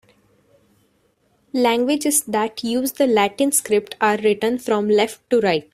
Languages that use the Latin script are written from left to right.